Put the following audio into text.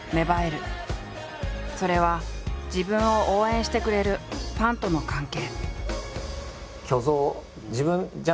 それは自分を応援してくれるファンとの関係。